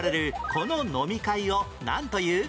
この飲み会をなんという？